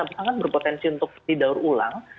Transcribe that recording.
sangat berpotensi untuk didaur ulang